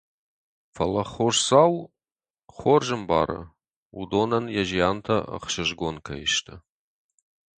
Фӕлӕ Хосдзау хорз ӕмбары, уыдонӕн йӕ зиантӕ ӕхсызгон кӕй сты.